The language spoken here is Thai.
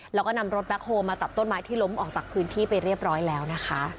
แล้วก็นำรถแบ็คโฮลมาตัดต้นไม้ที่ล้มออกจากพื้นที่ไปเรียบร้อยแล้วนะคะ